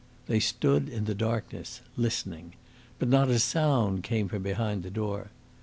They stood in the darkness listening. But not a sound came from behind the door.